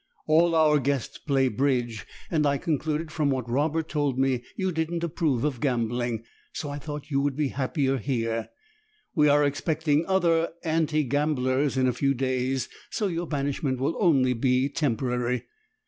All our guests play bridge, and I concluded from what Robert told me you didn't approve of gambling, so I thought you would be happier here. We are expecting other anti gamblers in a few days, so your banishment will only be temporary!